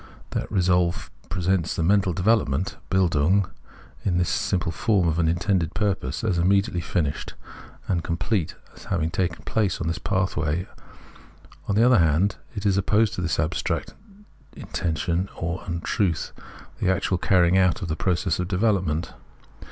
That resolve presents this mental development, (Bildung) in the simple form of an intended purpose, as immediately finished and com plete, as having taken place ; this pathway, on the other hand, is, as opposed to this abstract in tention, or untruth, the actual carrying out of that process of development.